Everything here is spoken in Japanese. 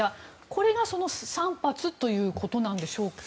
これが、その３発ということなんでしょうか。